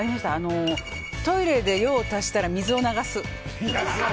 トイレで用を足したら水を流す。